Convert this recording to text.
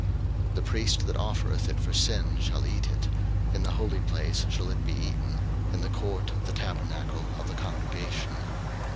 03:006:026 The priest that offereth it for sin shall eat it: in the holy place shall it be eaten, in the court of the tabernacle of the congregation.